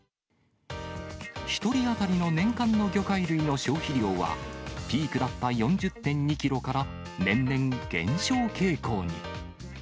１人当たりの年間の魚介類の消費量は、ピークだった４０．２キロから、年々減少傾向に。